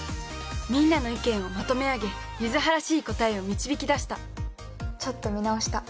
みんなの意見をまとめあげユズハらしい答えを導き出したちょっと見直した。